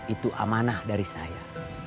itu amanah dari saya